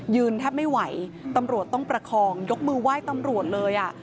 แทบไม่ไหวตำรวจต้องประคองยกมือไหว้ตำรวจเลยอ่ะ